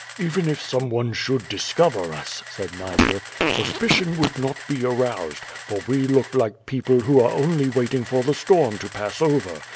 "Even if some one should discover us," said Niger, "suspi cion would not be aroused, for we look like people who are only waiting for the storm to pass over.